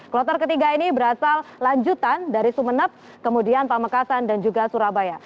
kloter ketiga ini berasal lanjutan dari sumeneb kemudian pamekasan dan juga surabaya